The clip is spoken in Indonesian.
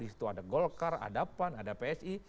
disitu ada golkar ada pan ada psi